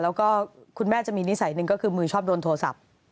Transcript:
แล้วก็คุณแม่จะมีนิสัยหนึ่งก็คือมือชอบโดนโทรศัพท์